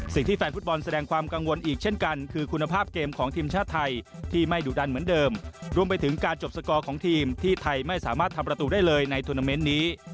สิ่งที่แฟนฟุตบอลแสดงความกังวลอีกเช่นกันคือคุณภาพเกมของทีมชาติไทยที่ไม่ดุดันเหมือนเดิมรวมไปถึงการจบสกอร์ของทีมที่ไทยไม่สามารถทำประตูได้เลยในทวนาเมนต์นี้